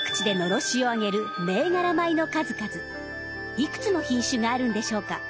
いくつの品種があるんでしょうか？